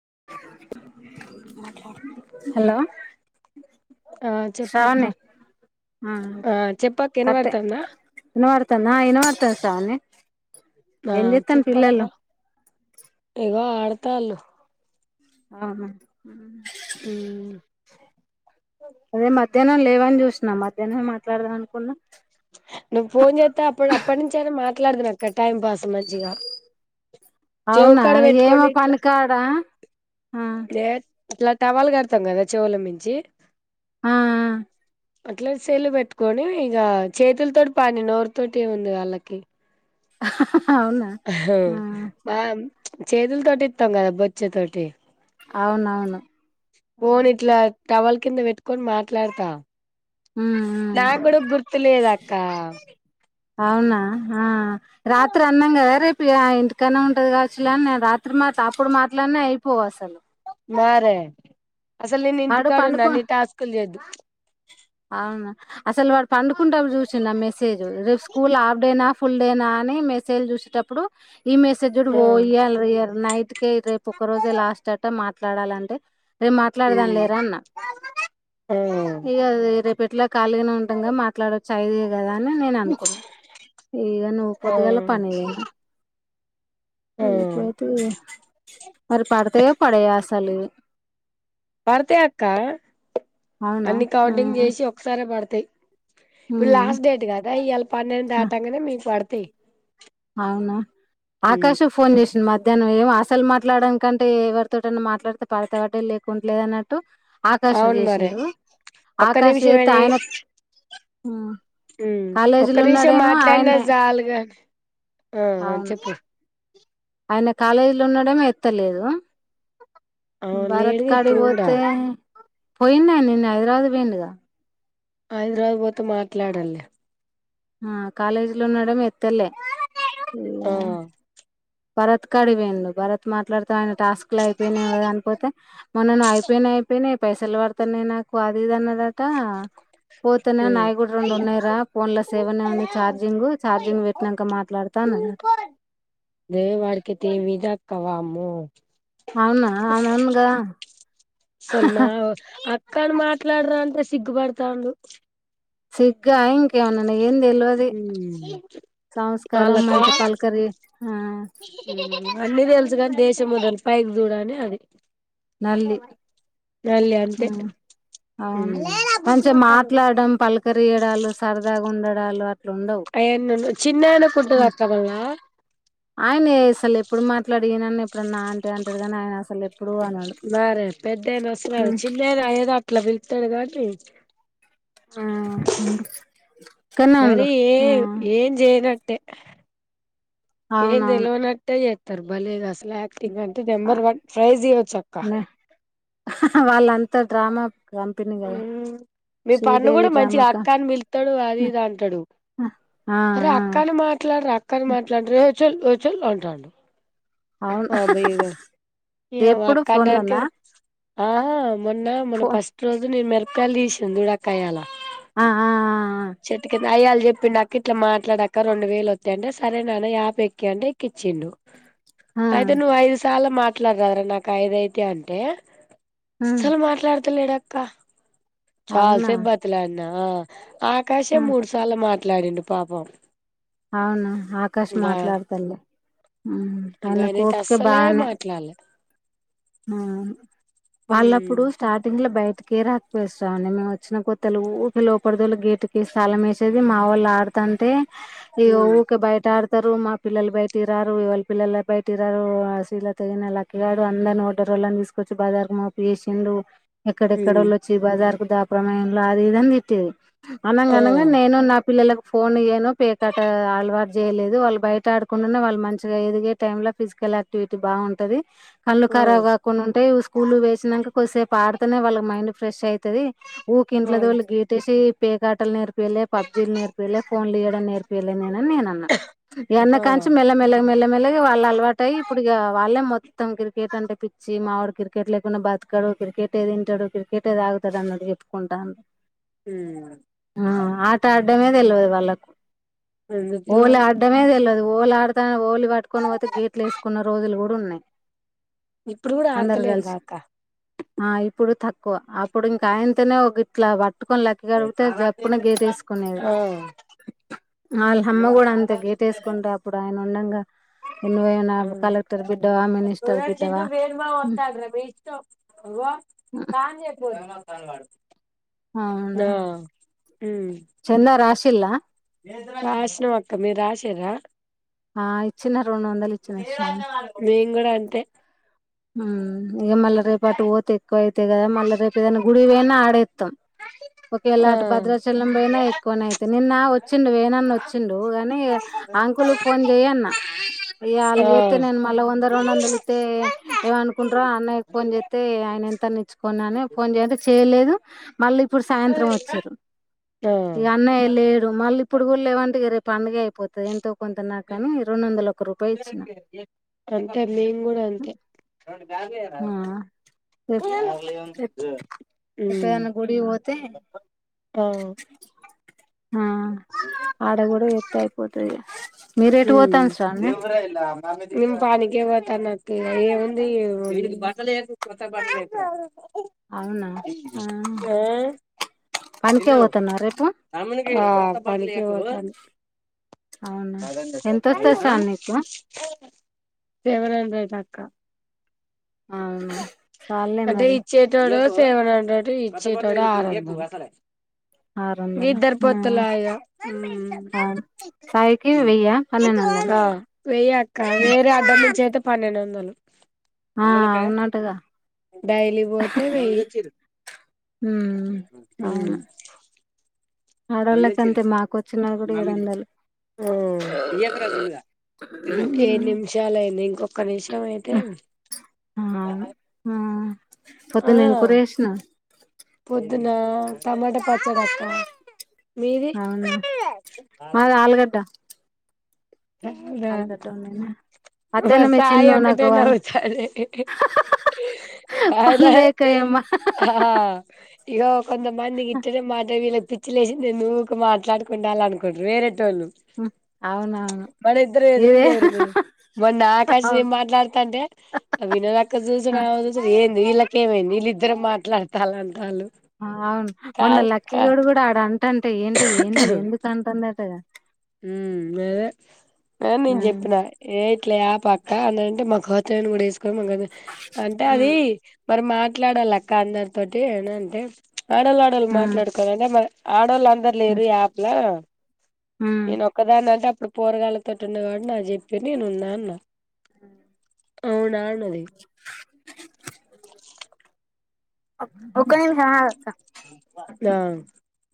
ఆ ఆ చెప్పక్క శ్రావణి ఆ చెప్పక్క ఏన్ పడతంద నా ఇన అత స అన్ననే ఆ చెప్పక్క ఏదో ఆడ తల్ ఆహా మ్మ్ అదే మధ్యాహ్నం లేవని చూసినా మధ్యాహ్నం మాట్లాడదాం అనుకున్న నువ్వు ఫోన్ చేస్తే అప్పుడు అప్పటి నుంచియినా మాట్లాడదు అక్క టైం పాస్ మంచిగా అవునా చెవుకాడ ఏమో పని కాడా అట్లా టవాలు కడతాం కదా చెవుల మించి ఆ అట్లా చెల్లు పెట్టుకొని ఇక చేతుల తోటి పని నోరు తోటి ఉంది వాళ్ళకి [inaudible] ఆ మా చేతుల తోటి ఇస్తాం కదా బొచ్చే తోటి అవునవును పోనిట్లా టవల్ కింద పెట్టుకొని మాట్లాడతా ఉమ్ నా కూడా గుర్తులేదా అక్క అవునా ఆ రాత్రి అన్నంగా రేప్ ఇ ఆ ఇంటికైనే ఉంటది కావచ్చులే అన్న రాత్రి మా త అప్పుడు మాట్లాడిన అయిప్ పోసలు మారే అసలు నేను ఇంటి వాడు పండుకో కాడున్నాని టాస్క్లు చేద్దు అవునా అసలు వాడు పండుకుంటాం చూసిిన మెసేజ్ రేపు స్కూల్ ఆఫ్ డైనాఫ్ ఫుల్ డేనా అని మెసేజ్ చూసేటప్పుడు ఈ మెసేజ్ కూడా ఆ పో ఇయ్యాలియ్య నైట్ ఓకే రేపు ఒక రోజే లాస్ట్ అట్ట మాట్లాడాలంటే రే మాట్లాడదాని లేరా అన్న ఆ ఇగా పెట్లా కాలీగా ఉంటాము కదా మాట్లాడ చాయిది కదా ని నేను అనుకున్నా ఇగ నువ్వు ఆ పొద్దిగాల పనికిపోయినా ఆ ఏపోయితే మరి పడతయో పడయాసలు పడతాయి అక్క అవునా అన్ని కౌంటింగ్ ఉమ్ చేసి ఒకసారి పడుత్ అంతే ఇప్పుడు ఉమ్ లాస్ట్ డేట్ కదా ఇయల పన్నెండు ఆ, దాటంగానే మీకు పడుత్ తే అవునా ఆకాష్ ఫోన్ పడతాయి. చేసిండు మధ్యాహ్నం ఏం ఆ అసలు మాట్లాడనికంటే ఎవరితోటిైనా మాట్లాడితే పడితే వాడే లేకుంటే లేదన్నట్టు అవును మరి ఒక్క ఆకాష్ చేస్తే నిమిషమేమి ఆయన ఉమ్, మ్మ్ ఒక్క కాలేజీలో నిమిషం ఉన్నాడేమో మాట్లాడిన ఆయనే చాలుగాని ఆ అవును చెప్పు ఆయన కాలేజీలో ఉన్నడేమో ఎత్తలేదు ఆ భరత్ లేడుగా కాడికి ఇప్పుడు కూడా పోతే పోయిన్నా నిన్న హైదరావది పోయిందిగా హైదరాబాద్ పోతే మాట్లాడల్ లే ఆ కాలేజీ లో ఉన్నాడు మీ తెల్లే ఆ ల భరత్ కడివెందు భరత్ మాట్లాడు పైన టాస్క్ లు అయిపోయినాయా కదా అనిపోతే మనను అయిపోయినయి అయిపోయినయి పైసలు పడుతాన్నాయి నాకు అది ఇది అన్నది దట పోతేనే ఉమ్. నాయకుడు రెండు ఉన్నాయరా ఫోన్ లో సేవనే ఉంది చఛార్జింగ్ చార్జింగ్ పెట్టినాక మాట్లాడతానదట దే వాడకెతేేవి ఇజా కవాము అవునా ఆన్గా సల్మా కానీ మాట్లాడరా అంటే సిగ్గుపడతాండు సిగ్ ఇంకవనా అ ఏం తెలివదు సంస్కారం మంచి పలకరిీ అన్నీది ఎల్సుగాని దేశం మొద పైకి చూడ అనే అది నల్లి మళ్ళీ అంతే అవును మంచిగా మాట్లాడడం పలకరియడాలు సరదాగా ఉండడాలు అ న్నన్న చిన్నన్న ఉమ్, ఫడ్గాకవ ఆయన అసలు ఎప్పుడు మాట్లాడినన్న ఇప్పుడు నా అంట అంటడుగానీ ఆయన అసలు ఎప్పుడు అనడు మరే పెద్దైనా వస్తున్నారు ఉమ్, చిన్నైనా ఏదో అట్లాి త్తడగా ఆ, ఉండు. ఇక్కడనే ఉండు మరి ఏ ఆ, ఏం చేయన ంత ఏంద అవునవును తెల్న్ అట్టా త బలే గసల తం అంటే ఆ, నెంబర్ వన్ ఫ్రైస్యవచ్చక్క వాళ్ళంత డ్రామ మీ పండు కూడా డ్రామా మంచిగా క అక్క అని పిలుతాడు అది ఇది అంటాడు ఆ అరే ఆ అక్కన మాట్లాడ్ర అక్కన మాట్లాడ్ర చల్ చల్ అంటాడు అవునా ఏమో ఎప్పుడు అక్క ఫోన్ అన్నాక లోన ఆ మొన్న మన ఫస్ట్ రోజు నేను మి [unintelligible] ఆ ఆ ఆ చెట్టు కిం అయ్యల చెప్పిండు అక్క ఇట్లా మాట్లాడక్క రెండు వేలు వత్తయంట సరేనాన్న యాప్ ఎక్కి అంటే ఎక్కిచ్చిండు ఆ ఆ అయితే నువ్ ఐదు సాళ్ల మాట్లాడరాదు రా నాకు ఐదైతయింటే ఆ అసలు మాట్లాడతలేడ ఆక్ క్క చాల్ అవునా సేపు బతిలాడ నా ఆకాశే ఆ మూడు సార్లు మా మాట్లాడిండు పాపం అవును ఆకాష్ ఇంగా మాట్లాడుతాడులే ఇంగ అయనకు ఆయనైతే ఓపికా అస్సలే బానే మాట్లాడలే ఆ ఉమ్ వాళ్ళప్పుడు స్టార్టింగ్ లో బయటికే రాక్ పిలుస్తమండి మేము వచ్చిన కొత్తల ఊకె లోపలిదోలి గేటు కేసి తాలం వేసేది మా వాళ్ళు ఆడు తంటే ఇగ ఉమ్ ఊకె బయట ఆడ ఆడతారు మా పిల్లలు బయటకిరారు ఇగ వాళ్ళ పిల్లల బయటకిరారు ఆ శ్రీలత గిన లక్కీ గాడు అందరిని కో ఉద్దోరోలన్నీ తీసుకొచ్చి బజారు మోపు చేసిండు ఎక్కడెక్కడ ఉమ్ ఒళ్లు వచ్చి బజార్ దాపురం అయిళ్ళూ అది ఇది అని తిట్టేది అనంగ ఆ అనంగా నేను నా పిల్లల ఫోన్ ఇయ్యాను పేకట అలవాటు చేయలేదు వాళ్ళు బయట ఆడుకుంటేనే వాళ్ళు మంచిగా ఎదిగే టైం లనే ఫిజికల్ యాక్టివిటీ బాగుంటది ఆ కరాబు కాకుండ ఉంటాయి స్కూలు వేసినంక కొద్సేపు ఆడుతేనే వాళ్ళ మైండ్ ఫ్రెష్ అయి తది ఊకె ఇంట్లో తోలి గేట్ ఏసీ పేకాటల్ నేర్ ర్పియలే పబ్జీలు నేర్పియలే ఫోన్లు ఇయడం నేర్పియలే నేనని నేన అన్నా ఇగ ఆ అన్నాకాంచీ మెల్ల మెల్ల గా మెల్లమెల్లగా వాళ్ళు అలవాటు అయ్యి ఇప్పుడు ఇగ వాళ్ళే మొత్తం క్రికెట్ అంటే పిచ్చి మావాడు క్రికెట్ లేకుండా బ్రతకాడు క్రికెట్ ఏది తంటాడు క్రికెట్ ఏది ఆగుతాడు అన్నట్డు చెప్పుకుంటాడు ఆ ఆట ఆడ్ డమే తెలవదు వాళ్ళలకు ఎందుకు హోలీ తెలవదు ఆడ్డంమే తెల్వదు హోలీ ఆడుతాని హోలీ పటుకొని పోతే గేట్లు వేసుకున్న రోజులు కూడా ఉన్నాయి ఇప్పుడు కూడా అందరు ఆడతలేరుగా కలిసి అక్క ఆ ఇప్పుడు తక్ క్కువ అప్పుడు ఇంకా అయంతనే ఒక గిట్లా బ పట్టుకొని లక్క కడిగితే జప్పున గేటు వేసుకునేది ఆ వాళ్ళ అమ్మ కూడా అంత గేటు వేసుకుంటే అప్పుడు ఆయన అవునంగా ఇన్వేనా కలెక్టర్ బిడ్డవా మినీష్ అరే చిన్ను వేణు మామ వత్తండు రా మే ఇష్టం ఇగో హ్మ్. సానం చేపోర్రి అవునా ఉమ్ చిన్న రాష్ట ఇల్ రాసినం అక్క మీరు రాసిర ఆ ఇచ్చిన రెండు వందలు ఇచ్చిన మేము కూడా అంతె ఉం ఇగ మళ రేపాటు పోతే ఎక్కువయి అయితే కదా మళ్ళా రేపు ఏదైనా గుడి పోయినా ఆడేస్తాం ఒకవేళ ఆ అటు భద్రాచలం పోయినా ఎక్కువనే అయితే నిన్న వచ్చిండు వేనాన్న వచ్చిండు కాగానీ అంకులు ఫోన్ చేయన్న ఆ ఇళ్ళతే నేను మళ్ళా వంద రెండు వందలుతే ఏమనుకుంటారో అన్నయ్యకి ఫోన్ చేస్తే ఆయన ఎంత నచ్చుకున్నాని ఫోన్ చేయంటే చేయలేదు మళ్ళీ ఇప్పుడు సాయంత్రం వచ్చిరు ఆ ఇక అన్నయ్య లేడు మళ్ళీ ఇప్పుడు కూడా లేవంట రేప్ పండుగే పోతుంది ఎంతో కొంత నాకని రెండు వందల ఒక్క రూపాయి ఇచ్చిన ఉం ఆ రేప్ ఎప్పుడైనా గుడికి పోతే ఆ ఆ ఆడ కూడాడ ఎత్తే పోతది ఇగ మీరు ఎటు పోతాన్రు శ్రావణి నిన్ పనికె పోతన్న కే ఏముంది అవునా ఆ పనికే పోతున్నావా రేపు ఆ అ అవునా ఎంతొస్తది ఉం శ్రావణి నీకు దేవరంద్ర ట అక్క అవునా చాల్లే అంటే మరి ఇచ్చేటో డు సెవన్ హండ్రెడ్ ఇచ్చేటోడు ఆర ఆరు వందలు ఇద్దరు పొత్తులా ఇగ ఆ సాయికి వెయ్య పన్నెండు వందలు వెయ్యి అక్క వేరే అక్క ఇచ్చే అయితే పన్నెండు వందలు ఆ అవునా డైలీ పోతే వెయ్యి ఉమ్ అవును ఆడోళ్ళకి అంతే మాకు వచ్చినది కూడా ఏడు వందలు ఏడు నిమిషాలయింది ఇంకొ క్క నిష్ ఆ పొద్దున ఏమి కూర చేసినావ్ పొద్దున టమాట పచ్చడి అక్క మీది అవునా మాది ఆలుగడ్డ ఆలుగడ్డ వండిన బా మధ్యాహ్నం మీ సాయి చిన్ను ఒక్కటే నాకు వాళ్ళు నవుతన్ది పని లేక ఏమో ఈగో కొంతమంది గిట్ట్లనే మాట్లవి చ్చలేసింది నువ్వు మాట్లాడుకుండాలి అనుకుంటు వేరే టోలు అవునవును మన ఇద్దరు ఎదురుంగ ఇదే ఎదురు మేడం మన నా ఆకాశ అవును నం మాట్లాడతాంటే వినోద అక్క ఆ చూసా చూస ఏ వీళ్ళక ఏమైంది వీళ్ళిద్దరు మాట్లాడతారు అంటారు అవును మొన్న లక్కీగడ్ కూడా ఆడ అంట అంటే ఏంటిది ఏంటిది ఎందుకు అంటుందట ఉ అదే నేను ఉమ్ జెప్పిన ఏ ఇట్లా అప్ అక్క అంటే మా హతం కూడా కదా అంటే అది మరి మాట్లాడాలి అక్క అందరి తటే ఏన అంటే ఆడలు ఆడలు మాట్లాడుకోవాల అంటే మ ఆడలా అందరూ లేరు యాప్లా నేను ఒక్కదాని అంటే ఇప్పుడు పోరగాళ్లతో ఉన్నవాడు నా చెప్పి నేను ఉన్నా అన్న అ అవునా అన్నది ఒక్క నిమిషం ఆగు ఆ